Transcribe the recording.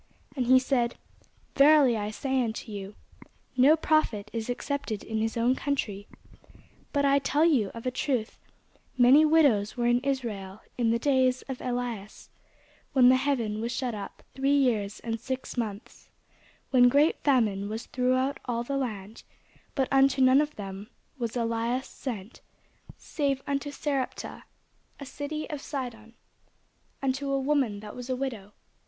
And he said, Verily I say unto you, No prophet is accepted in his own country. But I tell you of a truth, many widows were in Israel in the days of Elias, when the heaven was shut up three years and six months, when great famine was throughout all the land; but unto none of them was Elias sent, save unto Sarepta, a city of Sidon, unto a woman that was a widow.